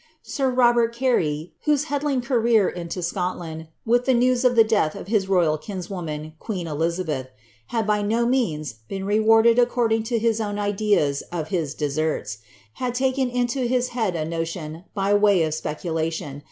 Sir Robert Carey, whose headling career lhw Scotland, with the news of the dealh of his royal kinswoman, quf.i Flizabelh, had by no means been rewarded according to his own i<ieu of his de.seri.s, had taken into his head a notion, by way of specnlaiion.